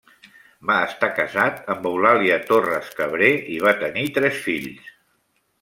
Va estar casat amb Eulàlia Torres Cabrer i va tenir tres fills.